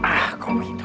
ah kau begitu